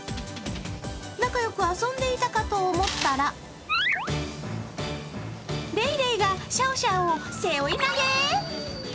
仲良く遊んでいたかと思ったらレイレイがシャオシャオを背負い投げ。